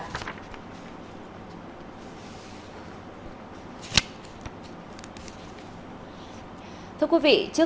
thưa quý vị trước diễn biến các lực lượng cứu hộ vẫn đang tiếp tục chạy đua với thời gian tìm kiếm nạn nhân còn lại